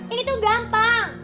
ini tuh gampang